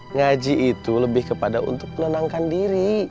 ngaji itu lebih kepada untuk menenangkan diri